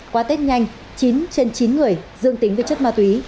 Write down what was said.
qua tết nhanh chín trên chín người dương tính với chất ma túy